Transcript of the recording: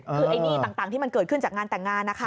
คือไอ้หนี้ต่างที่มันเกิดขึ้นจากงานแต่งงานนะคะ